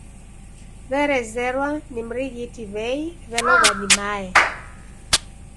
W'erezerwa ni mrighiti w'ei w'elogwa ni mae!